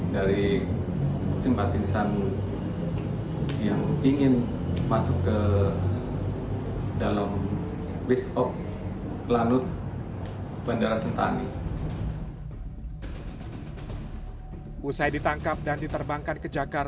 dari simpatisan yang ingin masuk ke dalam